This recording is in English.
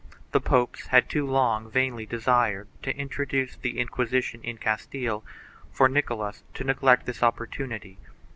The popes had too long vainly desired to introduce the Inquisition in Castile for Nicholas to neglect this opportunity.